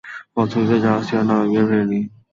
ফলশ্রুতিতে জাহাজটি আর নামিবিয়ার ভেড়েনি।